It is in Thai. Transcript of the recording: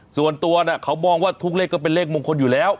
ส่วนตัวเขามองว่าทุกเลขก็เป็นเลขมงคลอยู่แล้ว